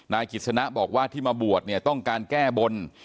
นายกิจสนะบอกว่าที่มาบวชเนี่ยต้องการแก้บน